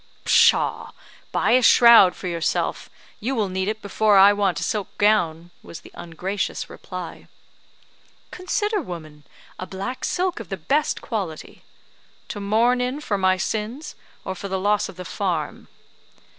"Pshaw! Buy a shroud for yourself; you will need it before I want a silk gown," was the ungracious reply. "Consider woman; a black silk of the best quality." "To mourn in for my sins, or for the loss of the farm?"